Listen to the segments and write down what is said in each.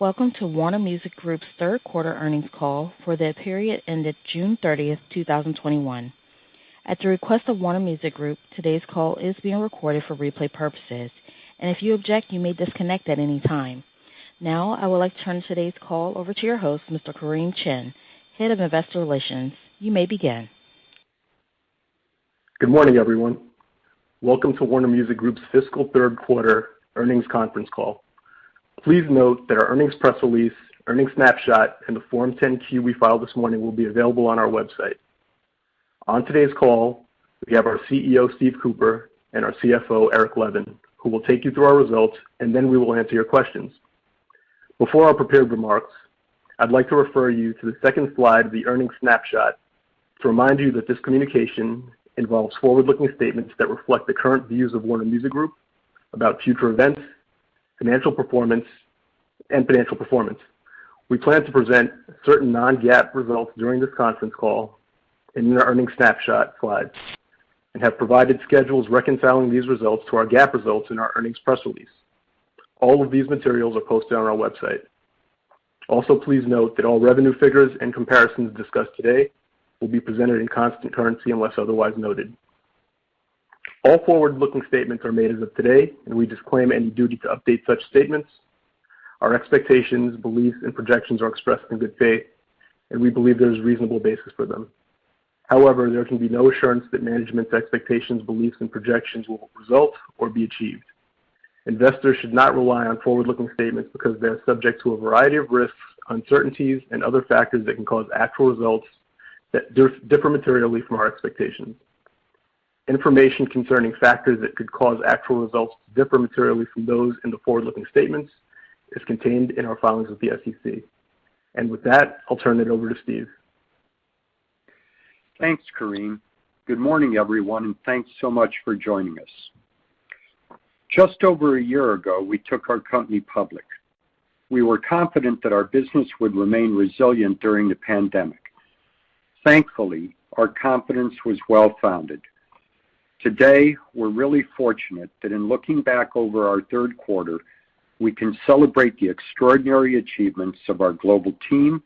Welcome to Warner Music Group's third quarter earnings call for the period ended June 30th, 2021. At the request of Warner Music Group, today's call is being recorded for replay purposes. If you object, you may disconnect at any time. I would like to turn today's call over to your host, Mr. Kareem Chin, Head of Investor Relations. You may begin. Good morning, everyone. Welcome to Warner Music Group's fiscal third quarter earnings conference call. Please note that our earnings press release, earnings snapshot, and the Form 10-Q we filed this morning will be available on our website. On today's call, we have our CEO, Steve Cooper, and our CFO, Eric Levin, who will take you through our results. Then we will answer your questions. Before our prepared remarks, I'd like to refer you to the second slide of the earnings snapshot to remind you that this communication involves forward-looking statements that reflect the current views of Warner Music Group about future events and financial performance. We plan to present certain non-GAAP results during this conference call in the earnings snapshot slides and have provided schedules reconciling these results to our GAAP results in our earnings press release. All of these materials are posted on our website. Also, please note that all revenue figures and comparisons discussed today will be presented in constant currency unless otherwise noted. All forward-looking statements are made as of today, and we disclaim any duty to update such statements. Our expectations, beliefs, and projections are expressed in good faith, and we believe there is reasonable basis for them. However, there can be no assurance that management's expectations, beliefs, and projections will result or be achieved. Investors should not rely on forward-looking statements because they are subject to a variety of risks, uncertainties, and other factors that can cause actual results that differ materially from our expectations. Information concerning factors that could cause actual results to differ materially from those in the forward-looking statements is contained in our filings with the SEC. With that, I'll turn it over to Steve. Thanks, Kareem. Good morning, everyone, thanks so much for joining us. Just over a year ago, we took our company public. We were confident that our business would remain resilient during the pandemic. Thankfully, our confidence was well-founded. Today, we're really fortunate that in looking back over our third quarter, we can celebrate the extraordinary achievements of our global team,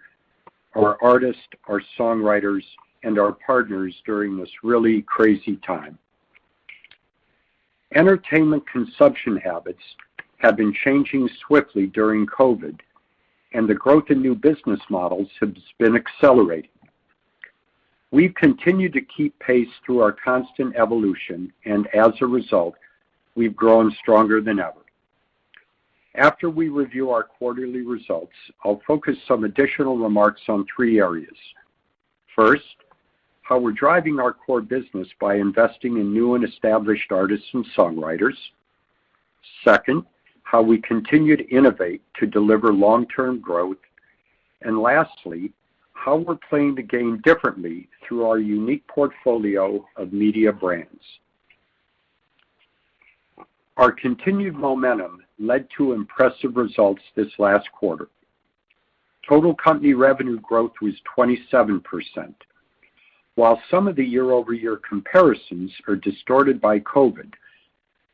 our artists, our songwriters, and our partners during this really crazy time. Entertainment consumption habits have been changing swiftly during COVID, the growth in new business models has been accelerating. We've continued to keep pace through our constant evolution, as a result, we've grown stronger than ever. After we review our quarterly results, I'll focus some additional remarks on three areas. First, how we're driving our core business by investing in new and established artists and songwriters. Second, how we continue to innovate to deliver long-term growth. Lastly, how we're playing the game differently through our unique portfolio of media brands. Our continued momentum led to impressive results this last quarter. Total company revenue growth was 27%. While some of the year-over-year comparisons are distorted by COVID,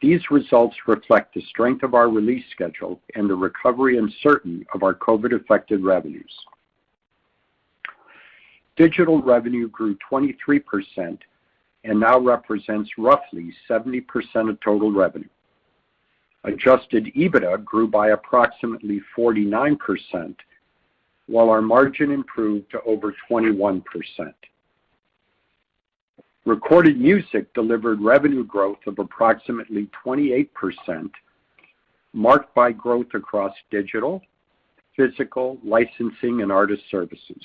these results reflect the strength of our release schedule and the recovery in certain of our COVID-affected revenues. Digital revenue grew 23% and now represents roughly 70% of total revenue. Adjusted EBITDA grew by approximately 49%, while our margin improved to over 21%. Recorded music delivered revenue growth of approximately 28%, marked by growth across digital, physical, licensing, and artist services.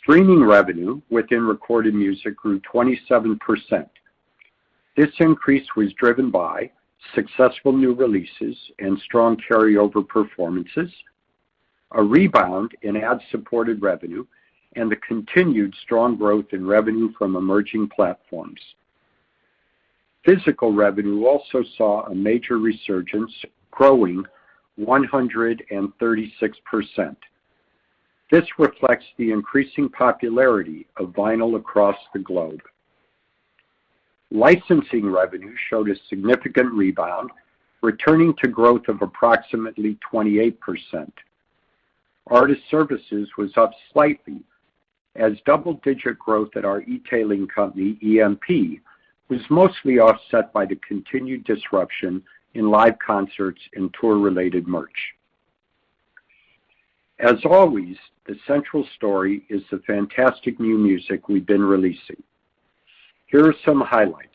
Streaming revenue within recorded music grew 27%. This increase was driven by successful new releases and strong carryover performances, a rebound in ad-supported revenue, and the continued strong growth in revenue from emerging platforms. Physical revenue also saw a major resurgence, growing 136%. This reflects the increasing popularity of vinyl across the globe. Licensing revenue showed a significant rebound, returning to growth of approximately 28%. Artist services was up slightly as double-digit growth at our e-tailing company, EMP, was mostly offset by the continued disruption in live concerts and tour-related merch. As always, the central story is the fantastic new music we've been releasing. Here are some highlights.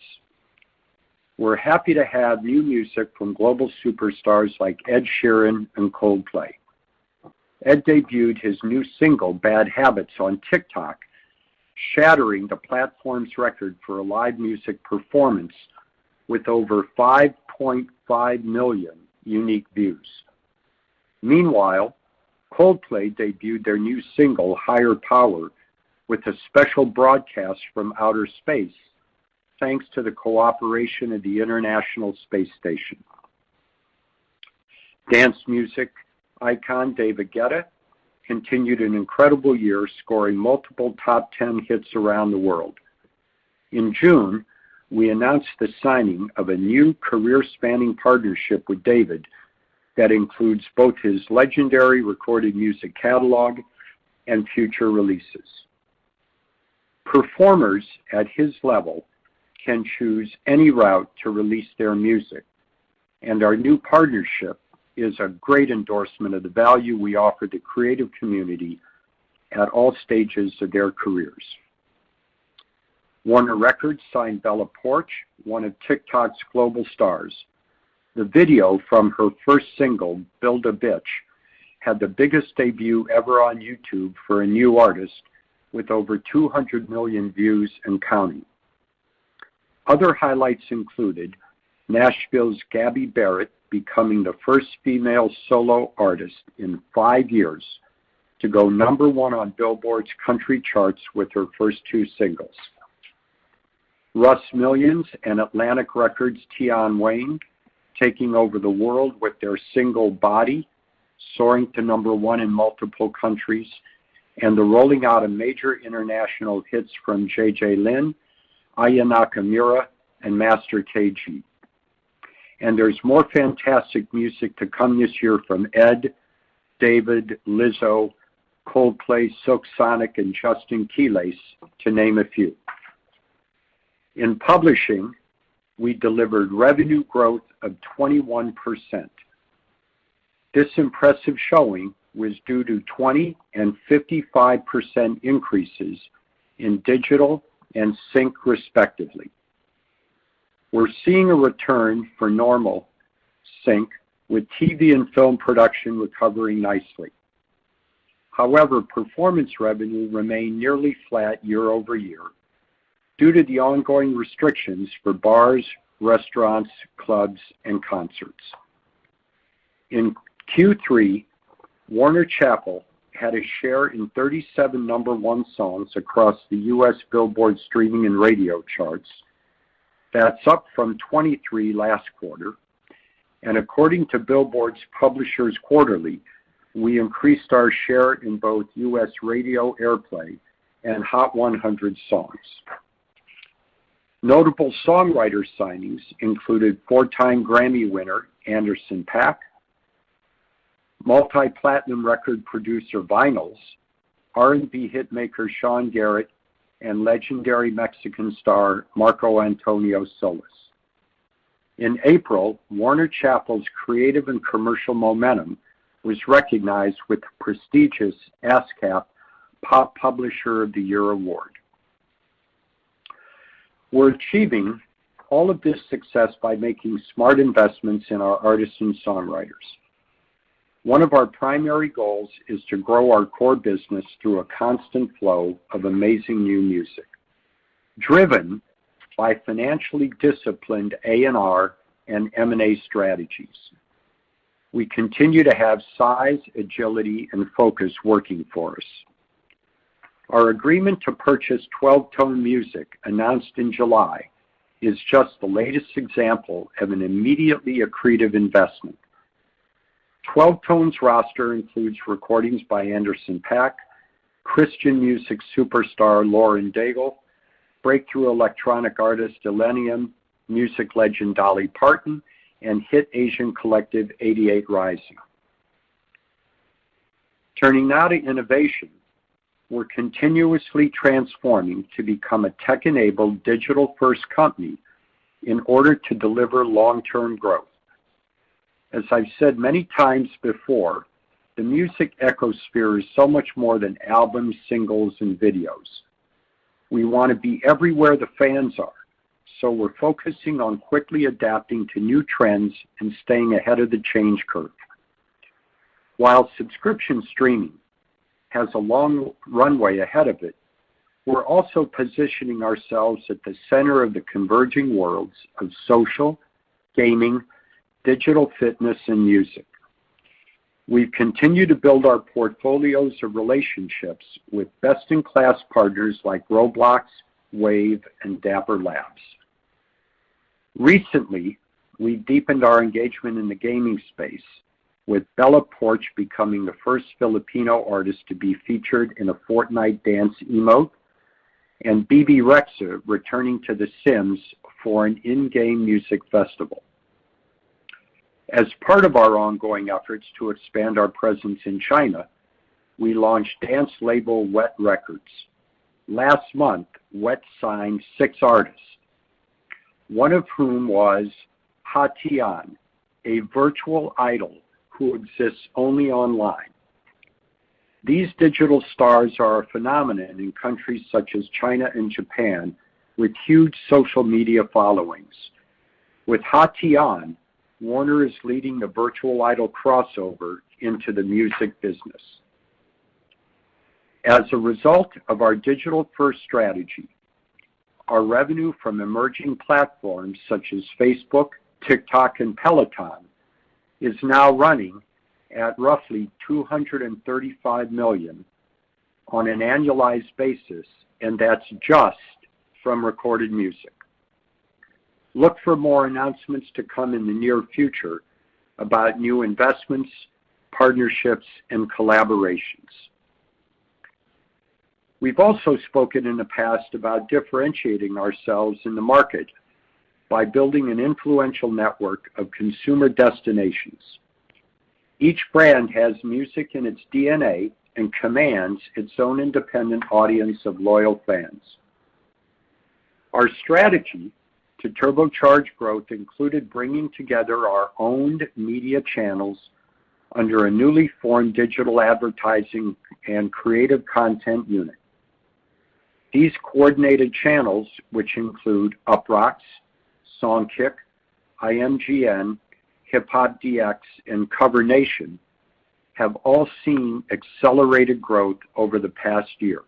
We're happy to have new music from global superstars like Ed Sheeran and Coldplay. Ed debuted his new single, "Bad Habits" on TikTok, shattering the platform's record for a live music performance with over 5.5 million unique views. Meanwhile, Coldplay debuted their new single, "Higher Power" with a special broadcast from outer space, thanks to the cooperation of the International Space Station. Dance music icon, David Guetta, continued an incredible year scoring multiple top 10 hits around the world. In June, we announced the signing of a new career-spanning partnership with David that includes both his legendary recorded music catalog and future releases. Performers at his level can choose any route to release their music, and our new partnership is a great endorsement of the value we offer the creative community at all stages of their careers. Warner Records signed Bella Poarch, one of TikTok's global stars. The video from her first single, "Build a Bitch," had the biggest debut ever on YouTube for a new artist with over 200 million views and counting. Other highlights included Nashville's Gabby Barrett becoming the first female solo artist in five years to go number one on Billboard's country charts with her first two singles. Russ Millions and Atlantic Records' Tion Wayne taking over the world with their single, "Body," soaring to number one in multiple countries, and the rolling out of major international hits from JJ Lin, Aya Nakamura, and Master KG. There's more fantastic music to come this year from Ed, David, Lizzo, Coldplay, Silk Sonic, and Justin Quiles, to name a few. In publishing, we delivered revenue growth of 21%. This impressive showing was due to 20% and 55% increases in digital and sync respectively. We're seeing a return to normal sync with TV and film production recovering nicely. However, performance revenue remained nearly flat year-over-year due to the ongoing restrictions for bars, restaurants, clubs, and concerts. In Q3, Warner Chappell had a share in 37 number one songs across the U.S. Billboard streaming and radio charts. That's up from 23 last quarter. According to Billboard's Publishers Quarterly, we increased our share in both U.S. radio airplay and Hot 100 songs. Notable songwriter signings included four-time Grammy winner Anderson .Paak, multi-platinum record producer Vinylz, R&B hit maker Sean Garrett, and legendary Mexican star Marco Antonio Solís. In April, Warner Chappell's creative and commercial momentum was recognized with the prestigious ASCAP Pop Publisher of the Year award. We're achieving all of this success by making smart investments in our artists and songwriters. One of our primary goals is to grow our core business through a constant flow of amazing new music, driven by financially disciplined A&R and M&A strategies. We continue to have size, agility, and focus working for us. Our agreement to purchase 12Tone Music, announced in July, is just the latest example of an immediately accretive investment. 12Tone's roster includes recordings by Anderson .Paak, Christian music superstar Lauren Daigle, breakthrough electronic artist ILLENIUM, music legend Dolly Parton, and hit Asian collective 88rising. Turning now to innovation, we're continuously transforming to become a tech-enabled, digital-first company in order to deliver long-term growth. As I've said many times before, the music ecosphere is so much more than albums, singles, and videos. We want to be everywhere the fans are, so we're focusing on quickly adapting to new trends and staying ahead of the change curve. While subscription streaming has a long runway ahead of it, we're also positioning ourselves at the center of the converging worlds of social, gaming, digital fitness, and music. We continue to build our portfolios of relationships with best-in-class partners like Roblox, Wave, and Dapper Labs. Recently, we deepened our engagement in the gaming space with Bella Poarch becoming the first Filipino artist to be featured in a Fortnite dance emote, and Bebe Rexha returning to The Sims for an in-game music festival. As part of our ongoing efforts to expand our presence in China, we launched dance label Whet Records. Last month, Whet signed six artists, one of whom was Luo Tianyi, a virtual idol who exists only online. These digital stars are a phenomenon in countries such as China and Japan, with huge social media followings. With Luo Tianyi, Warner is leading the virtual idol crossover into the music business. As a result of our digital-first strategy, our revenue from emerging platforms such as Facebook, TikTok, and Peloton is now running at roughly $235 million on an annualized basis, and that's just from recorded music. Look for more announcements to come in the near future about new investments, partnerships, and collaborations. We've also spoken in the past about differentiating ourselves in the market by building an influential network of consumer destinations. Each brand has music in its DNA and commands its own independent audience of loyal fans. Our strategy to turbocharge growth included bringing together our owned media channels under a newly formed digital advertising and creative content unit. These coordinated channels, which include UPROXX, Songkick, IMGN, HipHopDX, and Cover Nation, have all seen accelerated growth over the past year.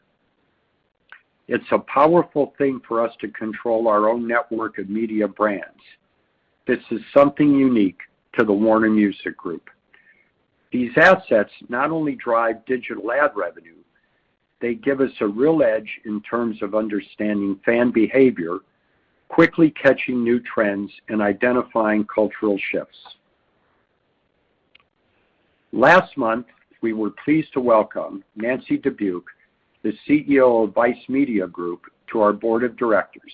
It's a powerful thing for us to control our own network of media brands. This is something unique to the Warner Music Group. These assets not only drive digital ad revenue, they give us a real edge in terms of understanding fan behavior, quickly catching new trends, and identifying cultural shifts. Last month, we were pleased to welcome Nancy Dubuc, the CEO of Vice Media Group, to our board of directors.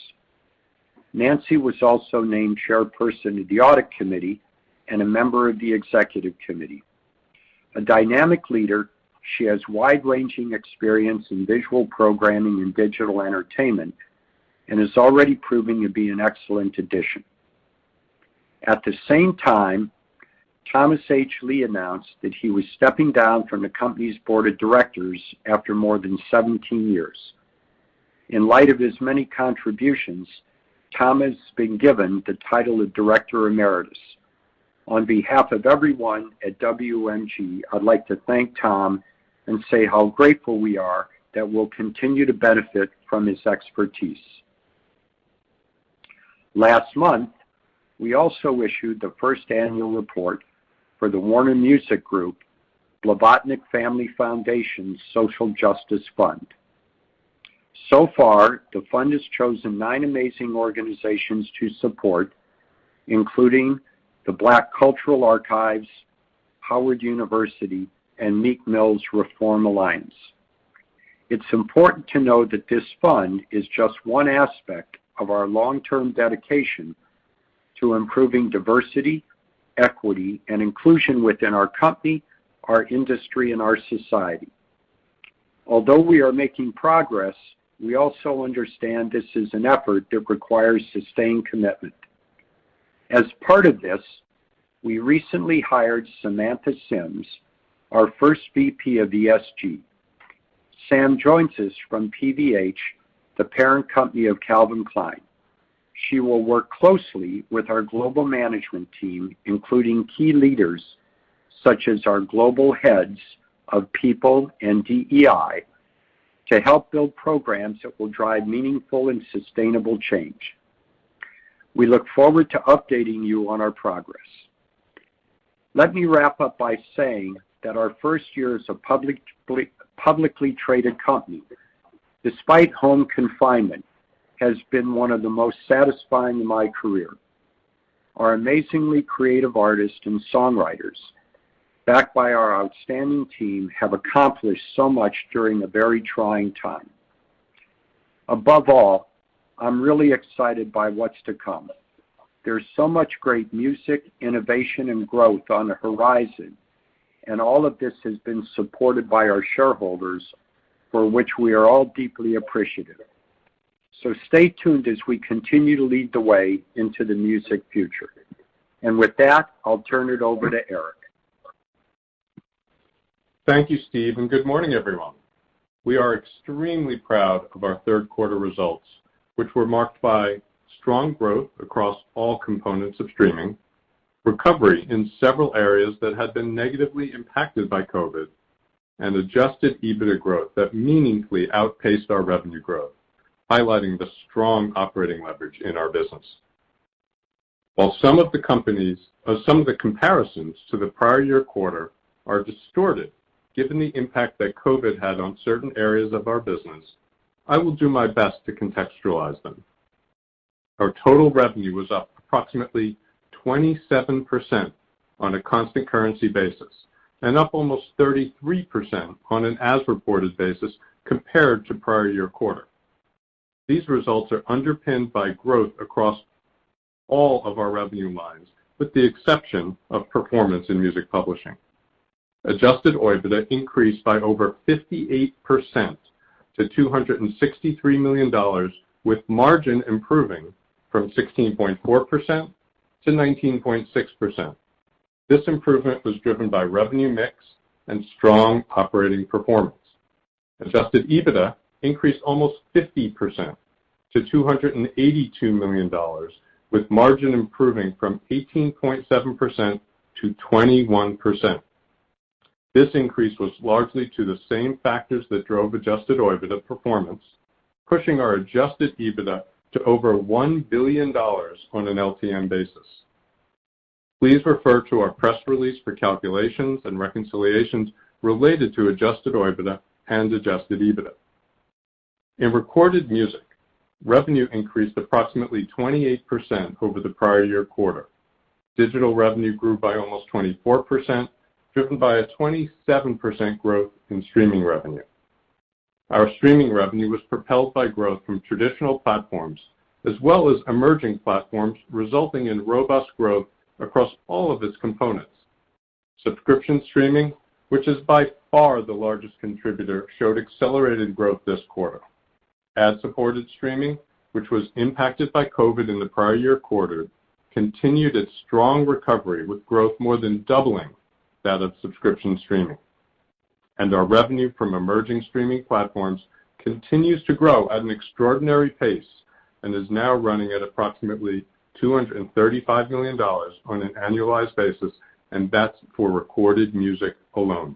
Nancy was also named chairperson of the audit committee and a member of the executive committee. A dynamic leader, she has wide-ranging experience in visual programming and digital entertainment and is already proving to be an excellent addition. At the same time, Thomas H. Lee announced that he was stepping down from the company's board of directors after more than 17 years. In light of his many contributions, Tom has been given the title of director emeritus. On behalf of everyone at WMG, I'd like to thank Tom and say how grateful we are that we'll continue to benefit from his expertise. Last month, we also issued the first annual report for the Warner Music Group, Blavatnik Family Foundation Social Justice Fund. So far, the fund has chosen nine amazing organizations to support, including the Black Cultural Archives, Howard University, and Meek Mill's REFORM Alliance. It's important to know that this fund is just one aspect of our long-term dedication to improving diversity, equity, and inclusion within our company, our industry, and our society. We are making progress, we also understand this is an effort that requires sustained commitment. As part of this, we recently hired Samantha Sims, our first VP of ESG. Sam joins us from PVH, the parent company of Calvin Klein. She will work closely with our global management team, including key leaders such as our global heads of people and DEI, to help build programs that will drive meaningful and sustainable change. We look forward to updating you on our progress. Let me wrap up by saying that our first year as a publicly traded company, despite home confinement, has been one of the most satisfying in my career. Our amazingly creative artists and songwriters, backed by our outstanding team, have accomplished so much during a very trying time. Above all, I'm really excited by what's to come. There's so much great music, innovation, and growth on the horizon, and all of this has been supported by our shareholders, for which we are all deeply appreciative. Stay tuned as we continue to lead the way into the music future. With that, I'll turn it over to Eric. Thank you, Steve. Good morning, everyone. We are extremely proud of our third quarter results, which were marked by strong growth across all components of streaming, recovery in several areas that had been negatively impacted by COVID, and adjusted EBITDA growth that meaningfully outpaced our revenue growth, highlighting the strong operating leverage in our business. While some of the comparisons to the prior year quarter are distorted, given the impact that COVID had on certain areas of our business, I will do my best to contextualize them. Our total revenue was up approximately 27% on a constant currency basis and up almost 33% on an as-reported basis compared to prior year quarter. These results are underpinned by growth across all of our revenue lines, with the exception of performance in music publishing. Adjusted OIBDA increased by over 58% to $263 million, with margin improving from 16.4% to 19.6%. This improvement was driven by revenue mix and strong operating performance. Adjusted EBITDA increased almost 50% to $282 million, with margin improving from 18.7% to 21%. This increase was largely to the same factors that drove adjusted OIBDA performance, pushing our adjusted EBITDA to over $1 billion on an LTM basis. Please refer to our press release for calculations and reconciliations related to adjusted OIBDA and adjusted EBITDA. In recorded music, revenue increased approximately 28% over the prior year quarter. Digital revenue grew by almost 24%, driven by a 27% growth in streaming revenue. Our streaming revenue was propelled by growth from traditional platforms as well as emerging platforms, resulting in robust growth across all of its components. Subscription streaming, which is by far the largest contributor, showed accelerated growth this quarter. Ad-supported streaming, which was impacted by COVID in the prior year quarter, continued its strong recovery, with growth more than doubling that of subscription streaming. Our revenue from emerging streaming platforms continues to grow at an extraordinary pace and is now running at approximately $235 million on an annualized basis, and that's for recorded music alone.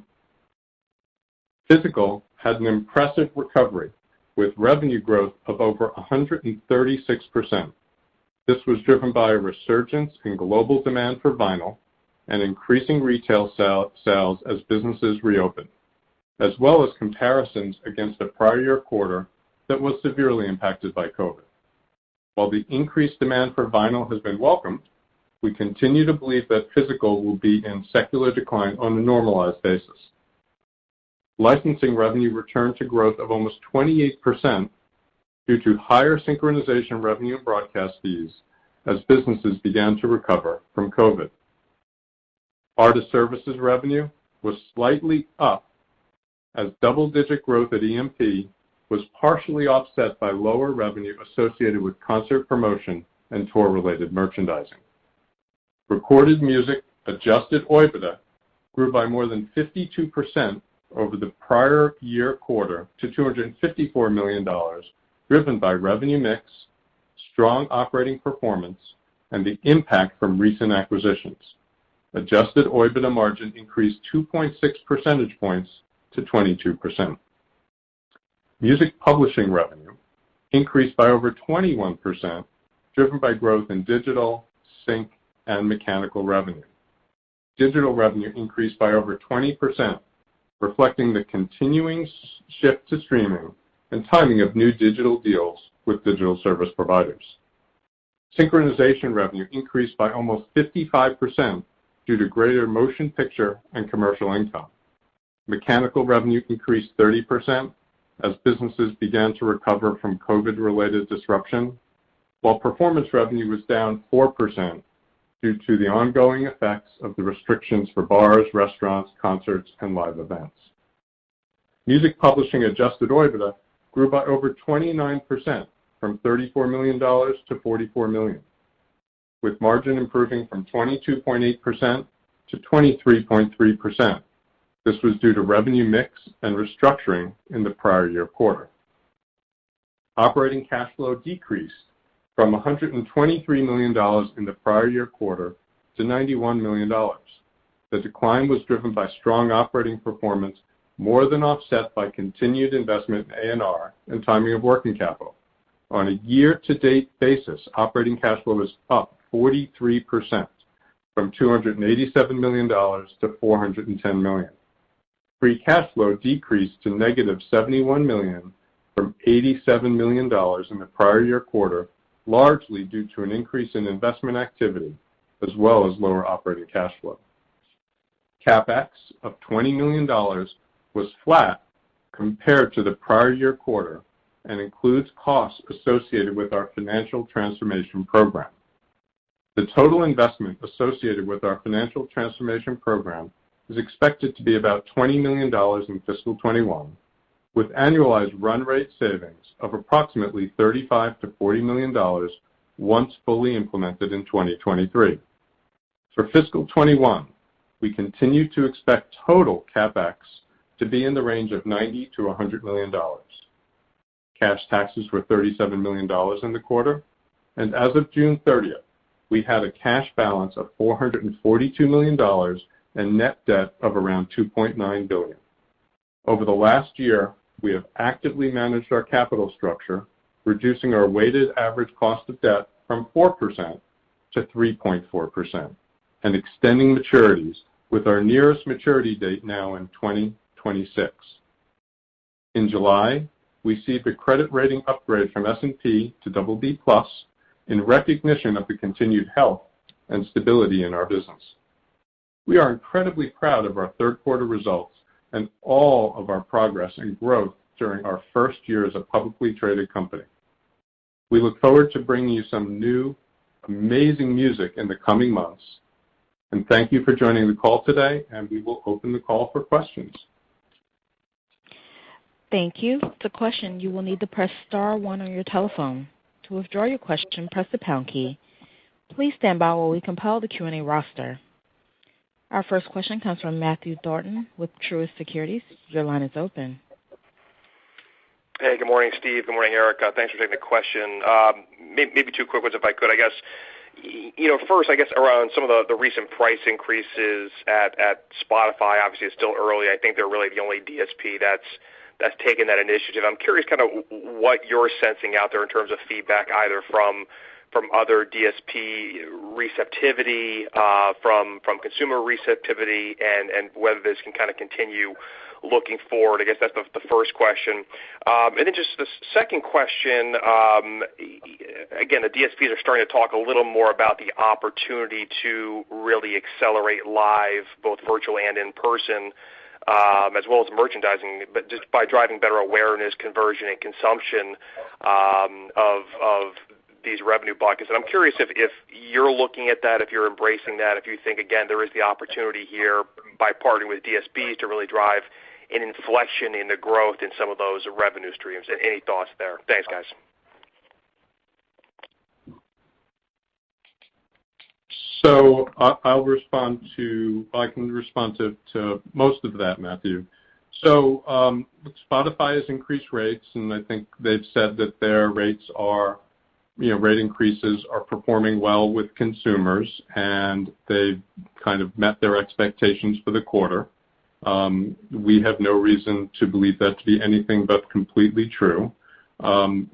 Physical had an impressive recovery, with revenue growth of over 136%. This was driven by a resurgence in global demand for vinyl and increasing retail sales as businesses reopen, as well as comparisons against the prior year quarter that was severely impacted by COVID. While the increased demand for vinyl has been welcomed, we continue to believe that physical will be in secular decline on a normalized basis. Licensing revenue returned to growth of almost 28% due to higher synchronization revenue and broadcast fees as businesses began to recover from COVID. Artist services revenue was slightly up as double-digit growth at EMP was partially offset by lower revenue associated with concert promotion and tour-related merchandising. Recorded music adjusted OIBDA grew by more than 52% over the prior year quarter to $254 million, driven by revenue mix, strong operating performance, and the impact from recent acquisitions. Adjusted OIBDA margin increased 2.6 percentage points to 22%. Music publishing revenue increased by over 21%, driven by growth in digital, sync, and mechanical revenue. Digital revenue increased by over 20%, reflecting the continuing shift to streaming and timing of new digital deals with digital service providers. Synchronization revenue increased by almost 55% due to greater motion picture and commercial income. Mechanical revenue increased 30% as businesses began to recover from COVID-related disruption, while performance revenue was down 4% due to the ongoing effects of the restrictions for bars, restaurants, concerts, and live events. Music publishing adjusted OIBDA grew by over 29%, from $34 million to $44 million, with margin improving from 22.8% to 23.3%. This was due to revenue mix and restructuring in the prior year quarter. Operating cash flow decreased from $123 million in the prior year quarter to $91 million. The decline was driven by strong operating performance, more than offset by continued investment in A&R and timing of working capital. On a year-to-date basis, operating cash flow was up 43%, from $287 million to $410 million. Free cash flow decreased to negative $71 million from $87 million in the prior year quarter, largely due to an increase in investment activity as well as lower operating cash flow. CapEx of $20 million was flat compared to the prior year quarter and includes costs associated with our financial transformation program. The total investment associated with our financial transformation program is expected to be about $20 million in fiscal 2021, with annualized run rate savings of approximately $35 million-$40 million once fully implemented in 2023. For fiscal 2021, we continue to expect total CapEx to be in the range of $90 million-$100 million. Cash taxes were $37 million in the quarter, and as of June 30th, we had a cash balance of $442 million and net debt of around $2.9 billion. Over the last year, we have actively managed our capital structure, reducing our weighted average cost of debt from 4% to 3.4% and extending maturities, with our nearest maturity date now in 2026. In July, we received a credit rating upgrade from S&P to BB+ in recognition of the continued health and stability in our business. We are incredibly proud of our third quarter results and all of our progress and growth during our first year as a publicly traded company. We look forward to bringing you some new amazing music in the coming months. Thank you for joining the call today, and we will open the call for questions. Thank you. Our first question comes from Matthew Thornton with Truist Securities. Your line is open. Hey, good morning, Steve. Good morning, Eric. Thanks for taking the question. Maybe two quick ones if I could. I guess first, around some of the recent price increases at Spotify. Obviously, it's still early. I think they're really the only DSP that's taken that initiative. I'm curious what you're sensing out there in terms of feedback, either from other DSP receptivity, from consumer receptivity, and whether this can kind of continue looking forward. I guess that's the first question. Just the second question, again, the DSPs are starting to talk a little more about the opportunity to really accelerate live, both virtual and in-person, as well as merchandising, but just by driving better awareness, conversion, and consumption of these revenue buckets. I'm curious if you're looking at that, if you're embracing that, if you think, again, there is the opportunity here by partnering with DSPs to really drive an inflection in the growth in some of those revenue streams. Any thoughts there? Thanks, guys. I can respond to most of that, Matthew. Spotify has increased rates, and I think they've said that their rate increases are performing well with consumers, and they've kind of met their expectations for the quarter. We have no reason to believe that to be anything but completely true. ARPU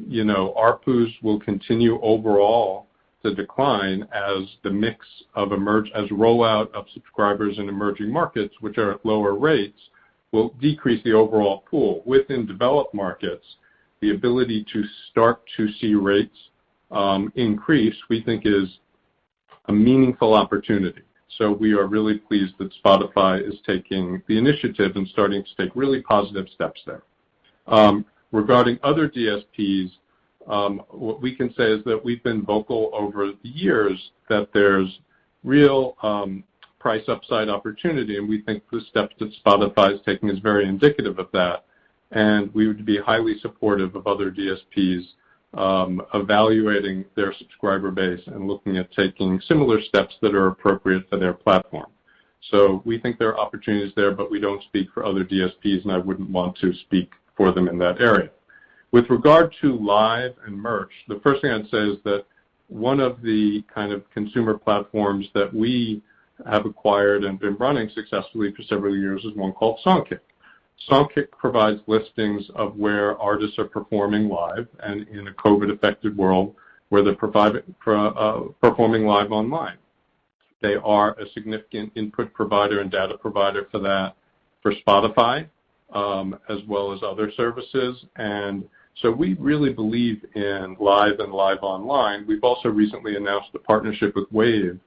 will continue overall to decline as the mix as rollout of subscribers in emerging markets, which are at lower rates, will decrease the overall pool. Within developed markets, the ability to start to see rates increase, we think is a meaningful opportunity. We are really pleased that Spotify is taking the initiative and starting to take really positive steps there. Regarding other DSPs, what we can say is that we've been vocal over the years that there's real price upside opportunity, and we think the steps that Spotify is taking is very indicative of that, and we would be highly supportive of other DSPs evaluating their subscriber base and looking at taking similar steps that are appropriate for their platform. We think there are opportunities there, but we don't speak for other DSPs, and I wouldn't want to speak for them in that area. With regard to Live and Merch, the first thing I'd say is that one of the kind of consumer platforms that we have acquired and been running successfully for several years is one called Songkick. Songkick provides listings of where artists are performing live and, in a COVID-affected world, where they're performing live online. They are a significant input provider and data provider for that for Spotify, as well as other services. We really believe in Live and Live online. We've also recently announced a partnership with Wave,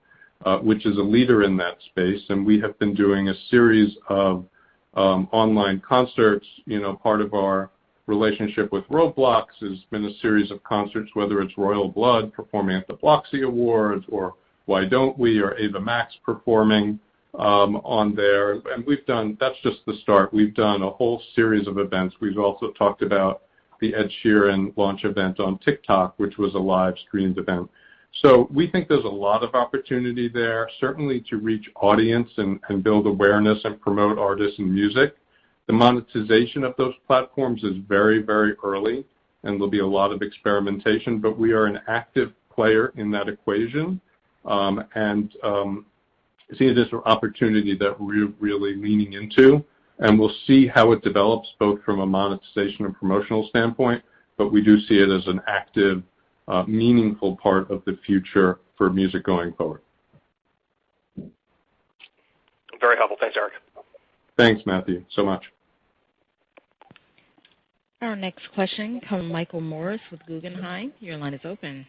which is a leader in that space, and we have been doing a series of online concerts. Part of our relationship with Roblox has been a series of concerts, whether it's Royal Blood performing at the Bloxy Awards or Why Don't We or Ava Max performing on there. That's just the start. We've done a whole series of events. We've also talked about the Ed Sheeran launch event on TikTok, which was a live streamed event. We think there's a lot of opportunity there, certainly to reach audience and build awareness and promote artists and music. The monetization of those platforms is very early, and there'll be a lot of experimentation, but we are an active player in that equation. See it as an opportunity that we're really leaning into, and we'll see how it develops, both from a monetization and promotional standpoint, but we do see it as an active, meaningful part of the future for music going forward. Very helpful. Thanks, Eric. Thanks, Matthew, so much. Our next question comes from Michael Morris with Guggenheim. Your line is open.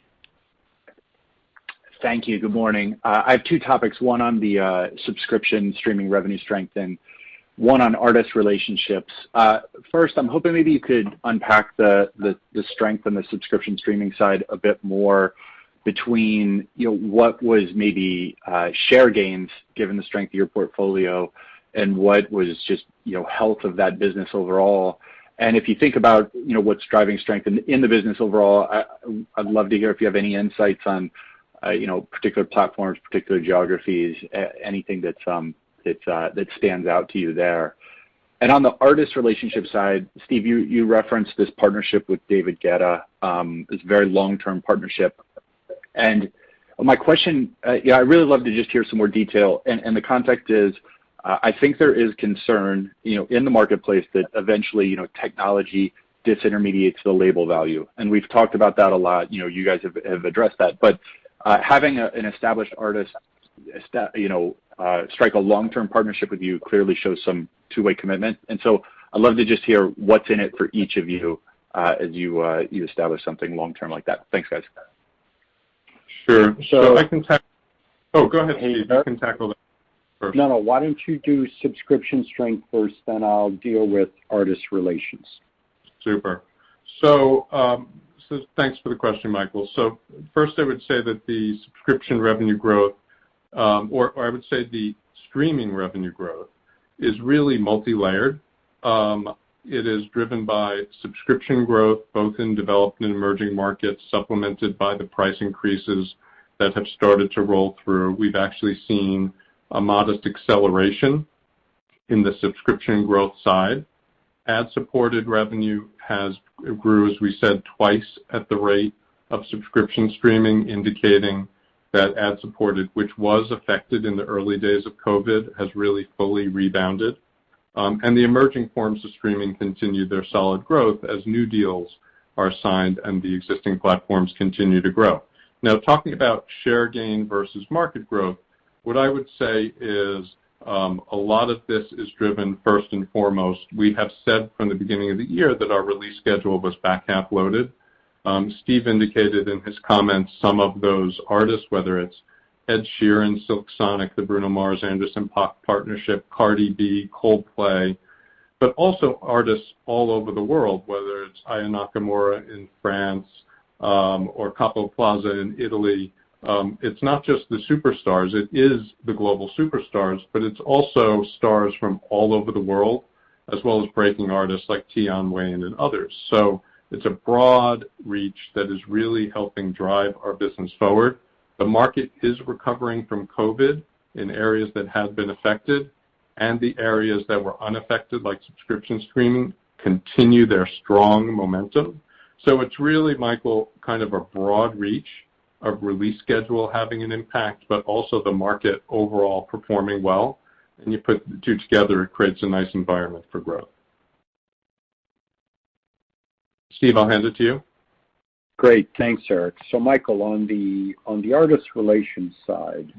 Thank you. Good morning. I have two topics, one on the subscription streaming revenue strength and one on artist relationships. First, I'm hoping maybe you could unpack the strength in the subscription streaming side a bit more between what was maybe share gains, given the strength of your portfolio, and what was just health of that business overall. If you think about what's driving strength in the business overall, I'd love to hear if you have any insights on particular platforms, particular geographies, anything that stands out to you there. On the artist relationship side, Steve, you referenced this partnership with David Guetta, this very long-term partnership. My question, I'd really love to just hear some more detail. The context is, I think there is concern in the marketplace that eventually technology disintermediates the label value. We've talked about that a lot. You guys have addressed that. Having an established artist strike a long-term partnership with you clearly shows some two-way commitment. I'd love to just hear what's in it for each of you as you establish something long-term like that. Thanks, guys. Sure. Oh, go ahead, Steve. You can tackle that first. No, why don't you do subscription strength first, then I'll deal with artist relations. Super. Thanks for the question, Michael. First I would say that the subscription revenue growth, or I would say the streaming revenue growth, is really multilayered. It is driven by subscription growth, both in developed and emerging markets, supplemented by the price increases that have started to roll through. We've actually seen a modest acceleration in the subscription growth side. Ad-supported revenue grew, as we said, twice at the rate of subscription streaming, indicating that ad-supported, which was affected in the early days of COVID, has really fully rebounded. The emerging forms of streaming continue their solid growth as new deals are signed and the existing platforms continue to grow. Talking about share gain versus market growth, what I would say is a lot of this is driven first and foremost, we have said from the beginning of the year that our release schedule was back half loaded. Steve indicated in his comments some of those artists, whether it's Ed Sheeran, Silk Sonic, the Bruno Mars, Anderson .Paak partnership, Cardi B, Coldplay, also artists all over the world, whether it's Aya Nakamura in France or Capo Plaza in Italy. It's not just the superstars. It is the global superstars, it's also stars from all over the world, as well as breaking artists like Tion Wayne and others. It's a broad reach that is really helping drive our business forward. The market is recovering from COVID in areas that have been affected, the areas that were unaffected, like subscription streaming, continue their strong momentum. It's really, Michael, kind of a broad reach of release schedule having an impact, but also the market overall performing well. You put the two together, it creates a nice environment for growth. Steve, I'll hand it to you. Great. Thanks, Eric. Michael, on the artist relations side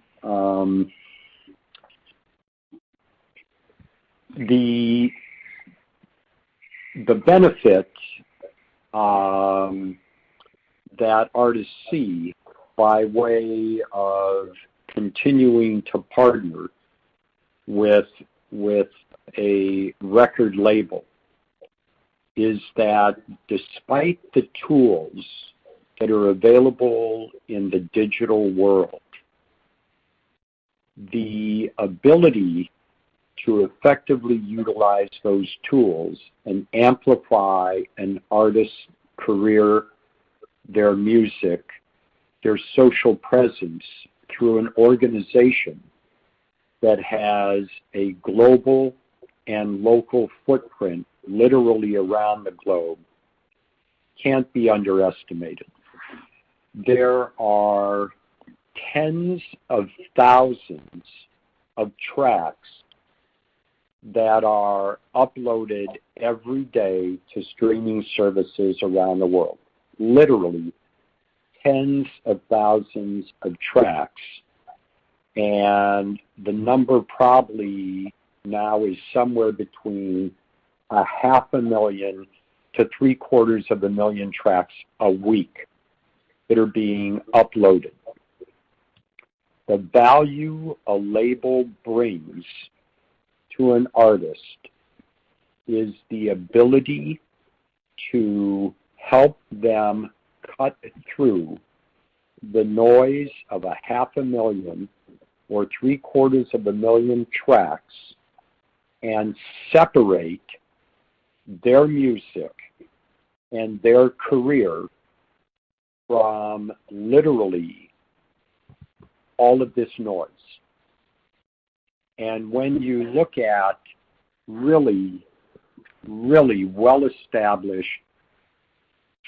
the benefits that artists see by way of continuing to partner with a record label is that despite the tools that are available in the digital world, the ability to effectively utilize those tools and amplify an artist's career, their music, their social presence through an organization that has a global and local footprint literally around the globe can't be underestimated. There are tens of thousands of tracks that are uploaded every day to streaming services around the world. Literally tens of thousands of tracks. The number probably now is somewhere between a 500,00 to three quarters of a million tracks a week that are being uploaded. The value a label brings to an artist is the ability to help them cut through the noise of a 500,000 or three quarters of a million tracks and separate their music and their career from literally all of this noise. When you look at really well-established,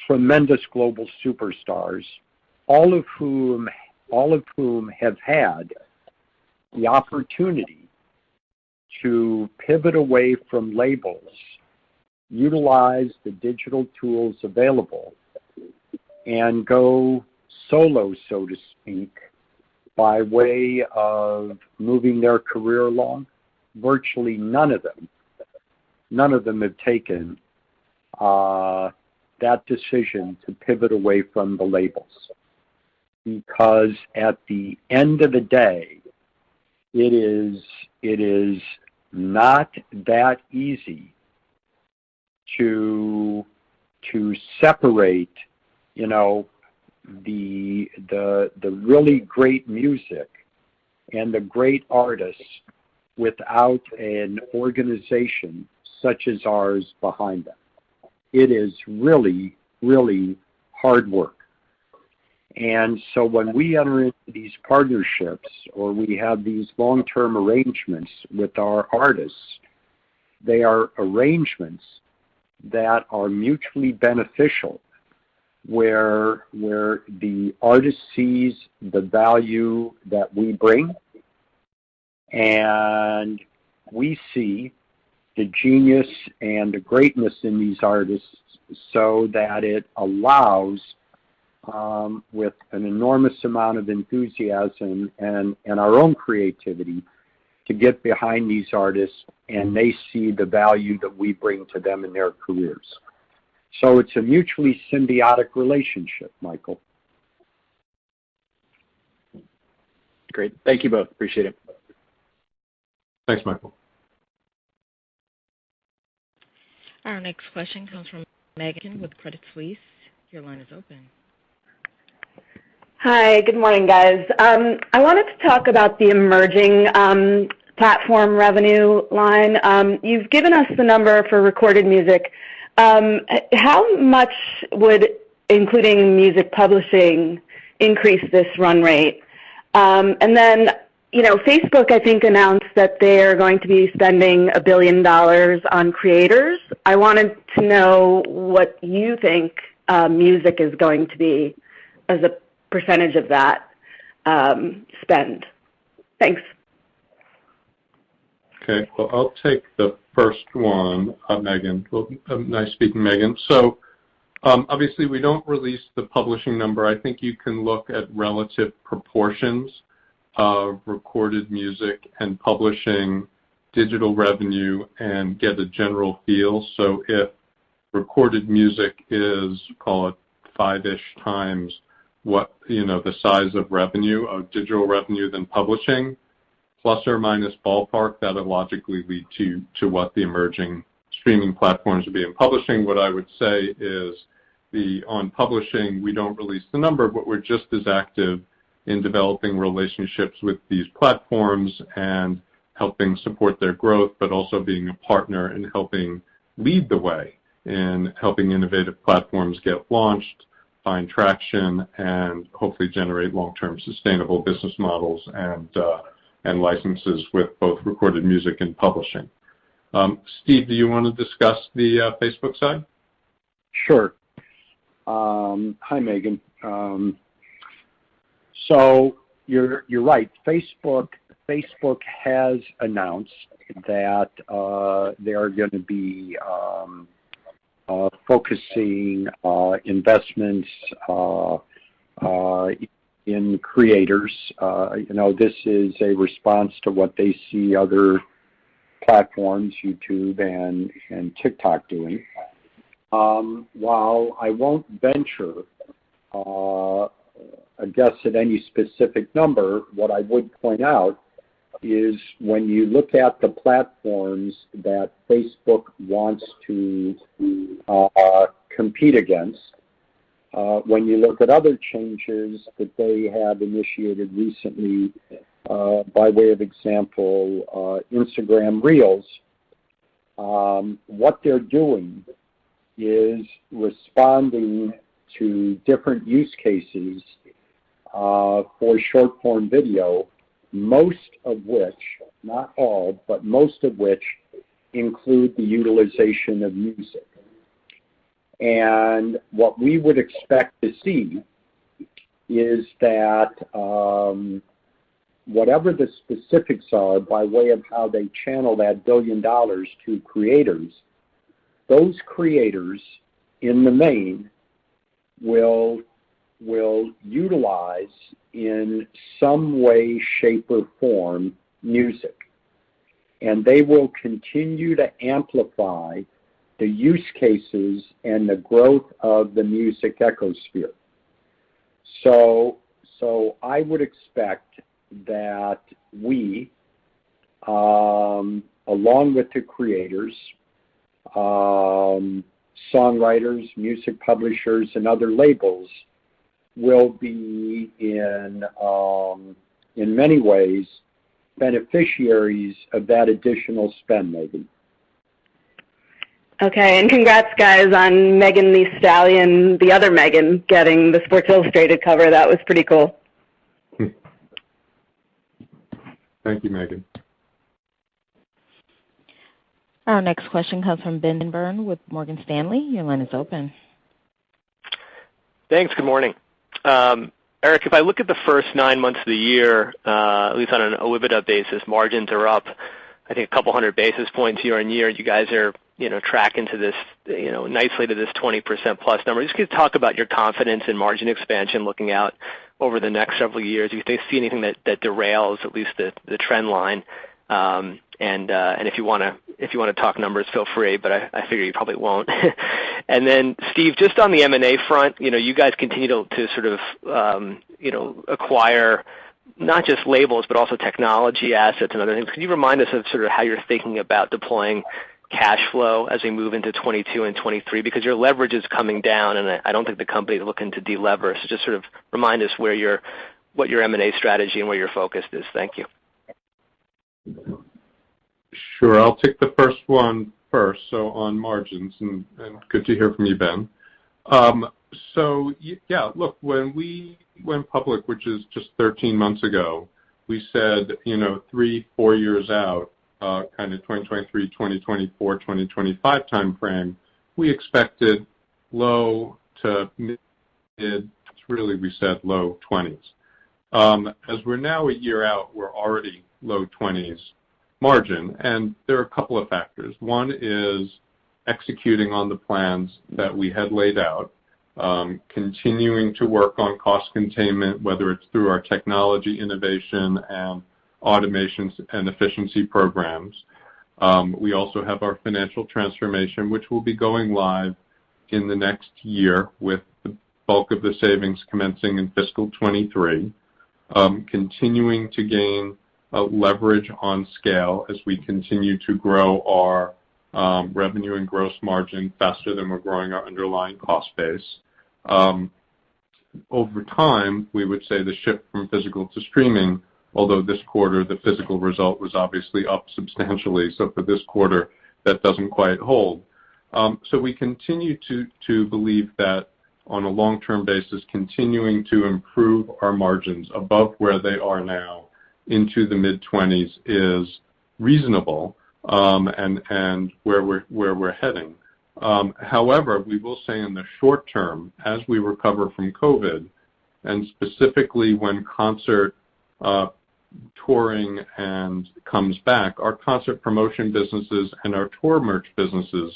tremendous global superstars, all of whom have had the opportunity to pivot away from labels, utilize the digital tools available, and go solo, so to speak, by way of moving their career along, virtually none of them have taken that decision to pivot away from the labels. At the end of the day, it is not that easy to separate the really great music and the great artists without an organization such as ours behind them. It is really hard work. When we enter into these partnerships or we have these long-term arrangements with our artists, they are arrangements that are mutually beneficial, where the artist sees the value that we bring, and we see the genius and the greatness in these artists so that it allows with an enormous amount of enthusiasm and our own creativity to get behind these artists, and they see the value that we bring to them in their careers. It's a mutually symbiotic relationship, Michael. Great. Thank you both. Appreciate it. Thanks, Michael. Our next question comes from Meghan with Credit Suisse. Your line is open. Hi. Good morning, guys. I wanted to talk about the emerging platform revenue line. You've given us the number for recorded music. How much would including music publishing increase this run rate? Facebook, I think, announced that they are going to be spending $1 billion on creators. I wanted to know what you think music is going to be as a percentage of that spend. Thanks. Okay. Well, I'll take the first one, Meghan. Nice speaking, Meghan. Obviously we don't release the publishing number. I think you can look at relative proportions of recorded music and publishing digital revenue and get a general feel. If recorded music is, call it, five-ish times what the size of revenue of digital revenue than publishing, plus or minus ballpark, that'll logically lead to what the emerging streaming platforms will be in publishing. What I would say is on publishing, we don't release the number, but we're just as active in developing relationships with these platforms and helping support their growth, but also being a partner in helping lead the way in helping innovative platforms get launched, find traction, and hopefully generate long-term sustainable business models and licenses with both recorded music and publishing. Steve, do you want to discuss the Facebook side? Sure. Hi, Meghan. You're right. Facebook has announced that they are going to be focusing on investments in creators. This is a response to what they see other platforms, YouTube and TikTok doing. While I won't venture a guess at any specific number, what I would point out is when you look at the platforms that Facebook wants to compete against, when you look at other changes that they have initiated recently, by way of example, Instagram Reels, what they're doing is responding to different use cases for short-form video, most of which, not all, but most of which include the utilization of music. What we would expect to see is that whatever the specifics are by way of how they channel that $1 billion to creators, those creators, in the main, will utilize in some way, shape, or form music. They will continue to amplify the use cases and the growth of the music ecosphere. I would expect that we, along with the creators, songwriters, music publishers, and other labels will be in many ways beneficiaries of that additional spend maybe. Okay, congrats guys on Megan Thee Stallion, the other Megan, getting the Sports Illustrated cover. That was pretty cool. Thank you, Meghan. Our next question comes from Benjamin Swinburne with Morgan Stanley. Your line is open. Thanks. Good morning. Eric, if I look at the first nine months of the year, at least on an OIBDA basis, margins are up, I think 200 basis points year-over-year. You guys are tracking nicely to this 20%+ number. Just can you talk about your confidence in margin expansion looking out over the next several years? Do you see anything that derails at least the trend line? If you want to talk numbers, feel free, but I figure you probably won't. Steve, just on the M&A front, you guys continue to acquire not just labels, but also technology assets and other things. Can you remind us of how you're thinking about deploying cash flow as we move into 2022 and 2023? Because your leverage is coming down, and I don't think the company is looking to delever. Just remind us what your M&A strategy and where your focus is. Thank you. Sure. I'll take the first one first, so on margins, and good to hear from you, Ben. Yeah, look, when we went public, which is just 13 months ago, we said three, four years out, kind of 2023, 2024, 2025 timeframe, we expected low to mid, really we said low 20s. As we're now a year out, we're already low 20s margin, and there are a couple of factors. One is executing on the plans that we had laid out, continuing to work on cost containment, whether it's through our technology innovation and automations and efficiency programs. We also have our financial transformation, which will be going live in the next year with the bulk of the savings commencing in fiscal 2023. Continuing to gain leverage on scale as we continue to grow our revenue and gross margin faster than we're growing our underlying cost base. Over time, we would say the shift from physical to streaming, although this quarter, the physical result was obviously up substantially. For this quarter, that doesn't quite hold. We continue to believe that on a long-term basis, continuing to improve our margins above where they are now into the mid-20s is reasonable, and where we're heading. However, we will say in the short term, as we recover from COVID, and specifically when concert touring comes back, our concert promotion businesses and our tour merch businesses,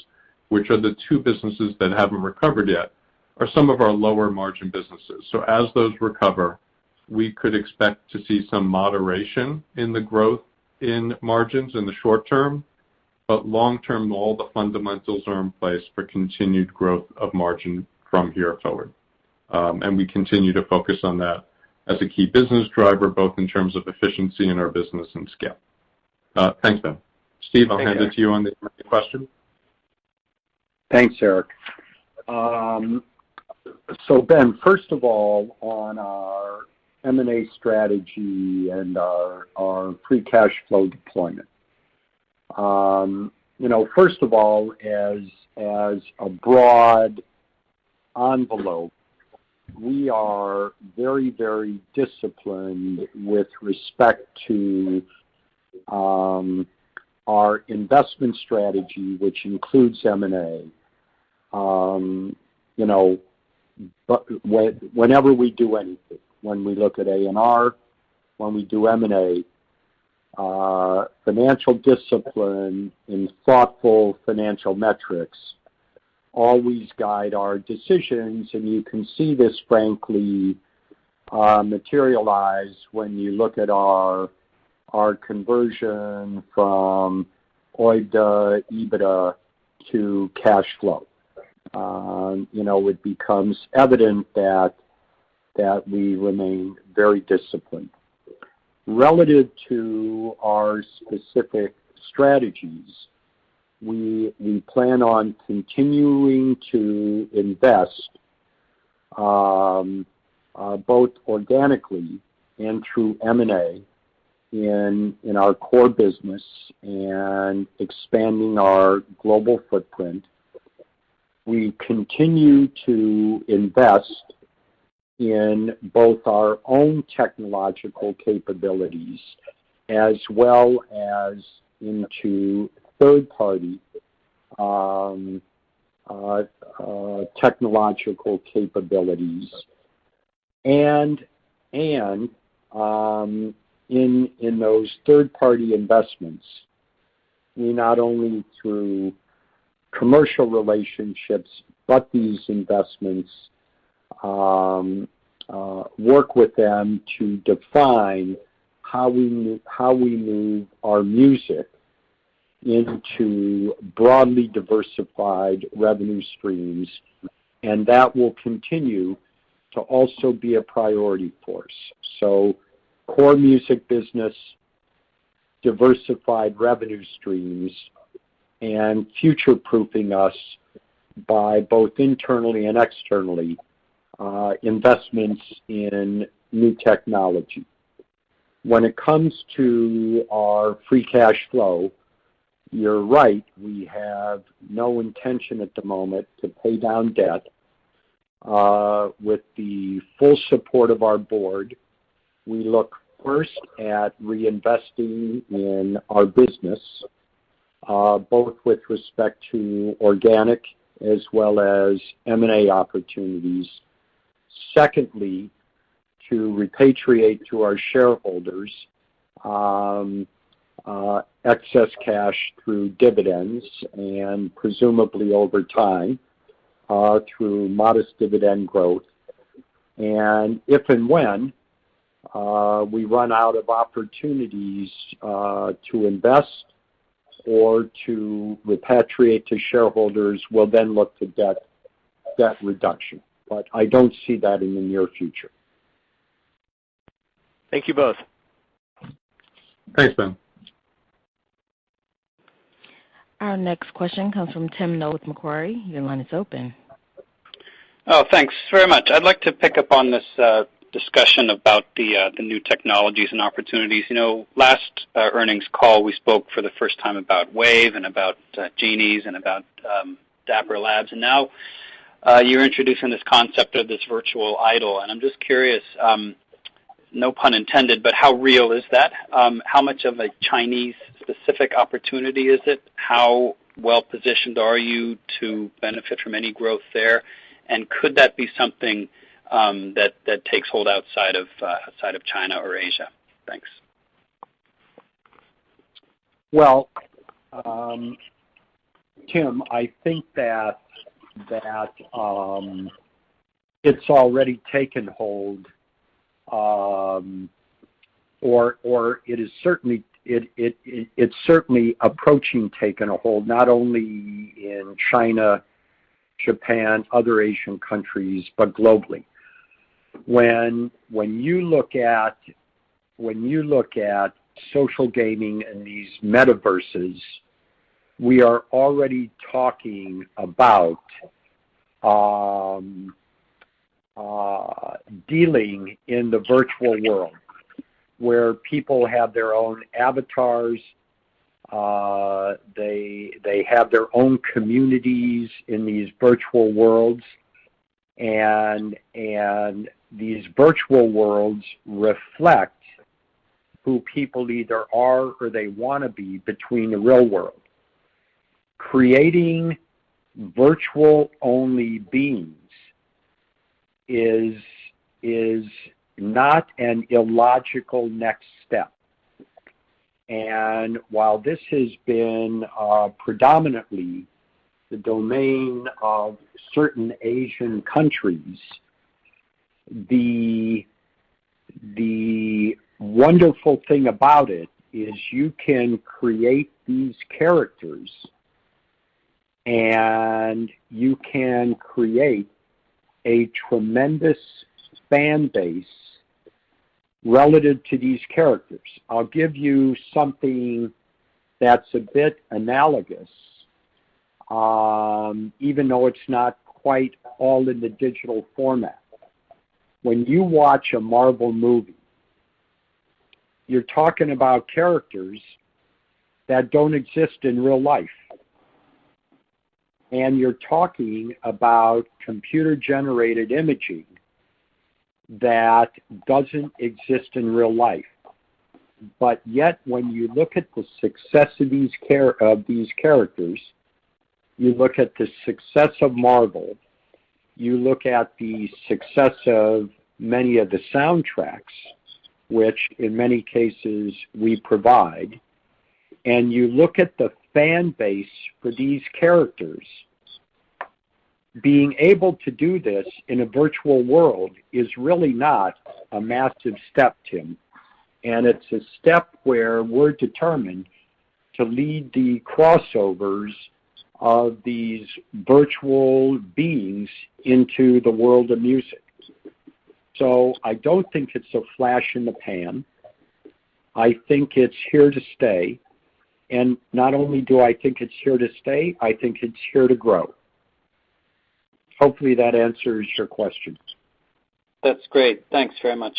which are the two businesses that haven't recovered yet, are some of our lower margin businesses. As those recover, we could expect to see some moderation in the growth in margins in the short term. Long term, all the fundamentals are in place for continued growth of margin from here forward. We continue to focus on that as a key business driver, both in terms of efficiency in our business and scale. Thanks, Ben. Steve, I'll hand it to you on the next question. Thanks, Eric. Ben, first of all, on our M&A strategy and our free cash flow deployment. First of all, as a broad envelope, we are very disciplined with respect to our investment strategy, which includes M&A. Whenever we do anything, when we look at A&R, when we do M&A, financial discipline and thoughtful financial metrics always guide our decisions. You can see this frankly materialize when you look at our conversion from OIBDA, EBITDA to cash flow. It becomes evident that we remained very disciplined. Relative to our specific strategies, we plan on continuing to invest both organically and through M&A in our core business and expanding our global footprint. We continue to invest in both our own technological capabilities as well as into third-party technological capabilities. In those third-party investments, not only through commercial relationships, but these investments work with them to define how we move our music into broadly diversified revenue streams. That will continue to also be a priority for us. Core music business, diversified revenue streams, and future-proofing us by both internally and externally investments in new technology. When it comes to our free cash flow, you're right, we have no intention at the moment to pay down debt. With the full support of our board, we look first at reinvesting in our business, both with respect to organic as well as M&A opportunities. Secondly, to repatriate to our shareholders excess cash through dividends and presumably over time through modest dividend growth. If and when we run out of opportunities to invest or to repatriate to shareholders, we'll then look to debt reduction. I don't see that in the near future. Thank you both. Thanks, Ben. Our next question comes from Tim Nollen with Macquarie. Your line is open. Oh, thanks very much. I'd like to pick up on this discussion about the new technologies and opportunities. Last earnings call, we spoke for the first time about Wave and about Genies and about Dapper Labs. Now you're introducing this concept of this virtual idol, and I'm just curious, no pun intended, but how real is that? How much of a Chinese-specific opportunity is it? How well-positioned are you to benefit from any growth there? Could that be something that takes hold outside of China or Asia? Thanks. Well, Tim, I think that it's already taken hold, or it's certainly approaching taking a hold, not only in China, Japan, other Asian countries, but globally. When you look at social gaming and these metaverses, we are already talking about dealing in the virtual world, where people have their own avatars. They have their own communities in these virtual worlds. And these virtual worlds reflect who people either are or they want to be between the real world. Creating virtual-only beings is not an illogical next step. While this has been predominantly the domain of certain Asian countries, the wonderful thing about it is you can create these characters, and you can create a tremendous fan base relative to these characters. I'll give you something that's a bit analogous, even though it's not quite all in the digital format. When you watch a Marvel movie, you're talking about characters that don't exist in real life, and you're talking about computer-generated imaging that doesn't exist in real life. Yet when you look at the success of these characters, you look at the success of Marvel, you look at the success of many of the soundtracks, which in many cases we provide, and you look at the fan base for these characters. Being able to do this in a virtual world is really not a massive step, Tim. It's a step where we're determined to lead the crossovers of these virtual beings into the world of music. I don't think it's a flash in the pan. I think it's here to stay, and not only do I think it's here to stay, I think it's here to grow. Hopefully, that answers your questions. That's great. Thanks very much.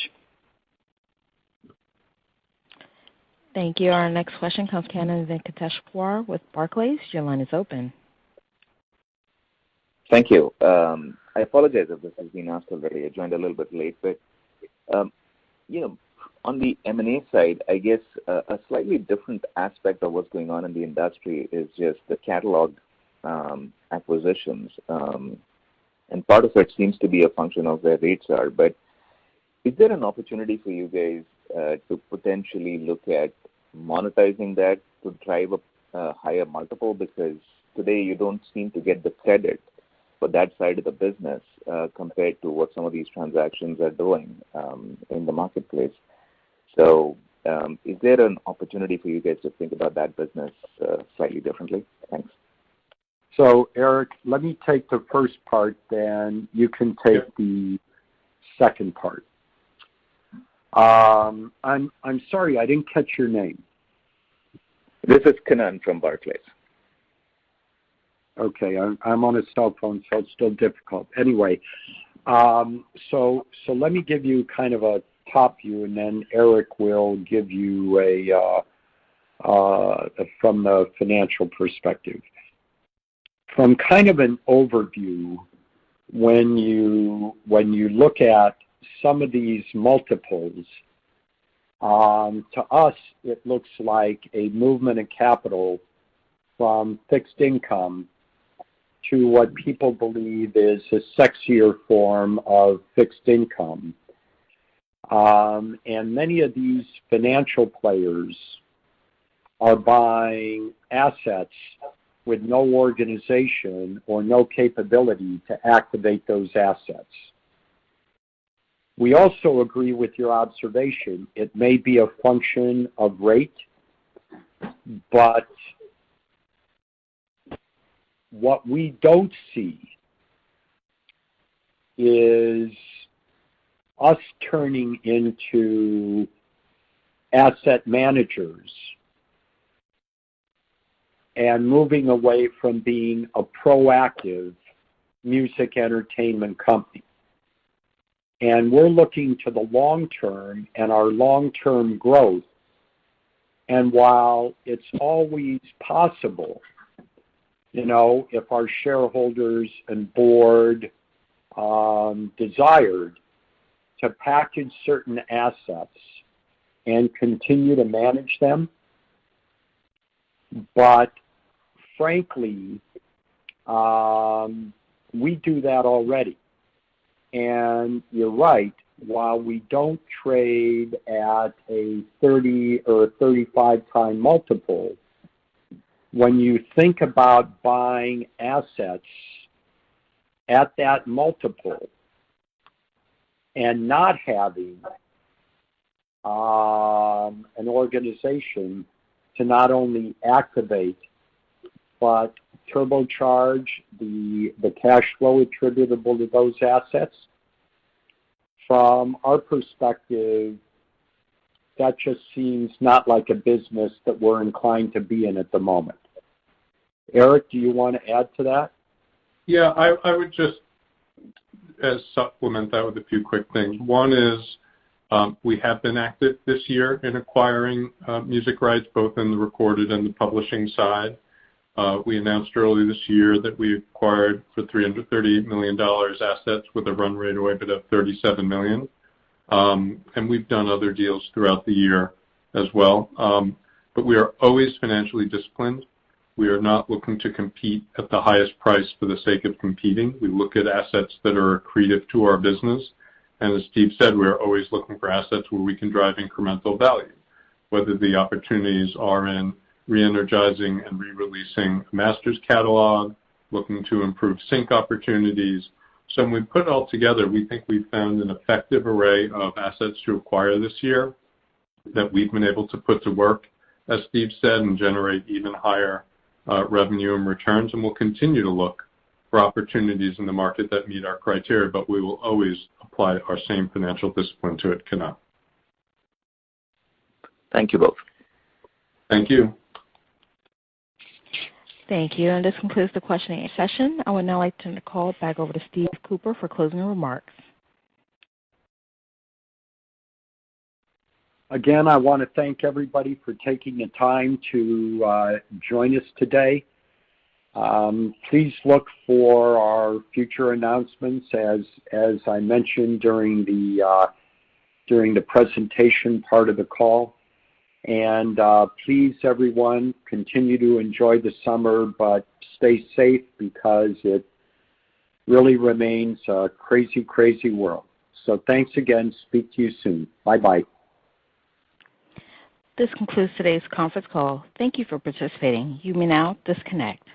Thank you. Our next question comes from Kannan Venkateshwar with Barclays. Your line is open. Thank you. I apologize if this has been asked already. I joined a little bit late. On the M&A side, I guess a slightly different aspect of what's going on in the industry is just the catalog acquisitions. Part of it seems to be a function of where rates are, but is there an opportunity for you guys to potentially look at monetizing that to drive a higher multiple? Because today you don't seem to get the credit for that side of the business compared to what some of these transactions are doing in the marketplace. Is there an opportunity for you guys to think about that business slightly differently? Thanks. Eric, let me take the first part, then you can take the second part. I'm sorry, I didn't catch your name. This is Kannan from Barclays. Okay. I'm on a cell phone, so it's still difficult. Let me give you kind of a top view, and then Eric will give you from a financial perspective. From kind of an overview, when you look at some of these multiples, to us it looks like a movement of capital from fixed income to what people believe is a sexier form of fixed income. Many of these financial players are buying assets with no organization or no capability to activate those assets. We also agree with your observation. It may be a function of rate, but what we don't see is us turning into asset managers and moving away from being a proactive music entertainment company. We're looking to the long term and our long-term growth. While it's always possible if our shareholders and board desired to package certain assets and continue to manage them, but frankly, we do that already. You're right, while we don't trade at a 30x or 35x multiple, when you think about buying assets at that multiple and not having an organization to not only activate but turbocharge the cash flow attributable to those assets, from our perspective, that just seems not like a business that we're inclined to be in at the moment. Eric, do you want to add to that? Yeah. I would just supplement that with a few quick things. One is we have been active this year in acquiring music rights, both in the recorded and the publishing side. We announced earlier this year that we acquired for $338 million assets with a run rate OIBDA of $37 million. We've done other deals throughout the year as well. We are always financially disciplined. We are not looking to compete at the highest price for the sake of competing. We look at assets that are accretive to our business. As Steve said, we are always looking for assets where we can drive incremental value, whether the opportunities are in re-energizing and re-releasing masters catalog, looking to improve sync opportunities. When we put it all together, we think we've found an effective array of assets to acquire this year that we've been able to put to work, as Steve said, and generate even higher revenue and returns. We'll continue to look for opportunities in the market that meet our criteria, but we will always apply our same financial discipline to it, Kannan. Thank you both. Thank you. Thank you. This concludes the questioning session. I would now like to turn the call back over to Steve Cooper for closing remarks. Again, I want to thank everybody for taking the time to join us today. Please look for our future announcements as I mentioned during the presentation part of the call. Please, everyone, continue to enjoy the summer, but stay safe because it really remains a crazy world. Thanks again. Speak to you soon. Bye-bye. This concludes today's conference call. Thank You for participating. You may now disconnect.